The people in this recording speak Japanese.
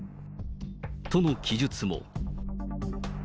との記述も。